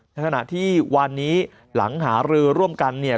ขณะที่วันนี้หลังหารือร่วมกันเนี่ย